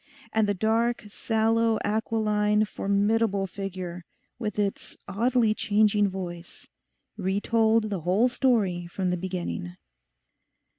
And the dark, sallow, aquiline, formidable figure, with its oddly changing voice, re told the whole story from the beginning.